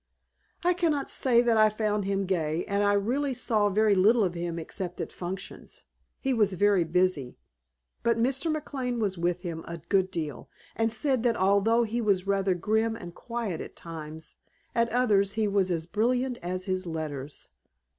"I cannot say that I found him gay, and I really saw very little of him except at functions. He was very busy. But Mr. McLane was with him a good deal, and said that although he was rather grim and quiet at times, at others he was as brilliant as his letters."